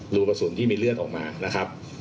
รูกระสุนที่มีเลือดออกมานะครับ